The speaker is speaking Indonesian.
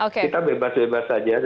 kita bebas bebas saja